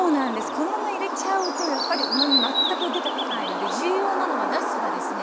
このまま入れちゃうとやっぱりうまみ全く出てこないので重要なのはなすがですね